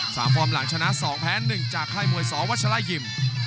สามฟอร์มหลังชนะ๒แพ้๑จากไข้มวยสวชลายิ่ม